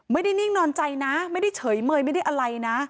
นิ่งนอนใจนะไม่ได้เฉยเมยไม่ได้อะไรนะ